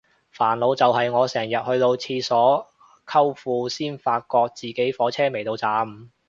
煩惱就係我成日去到廁所摳褲先發覺自己火車未到站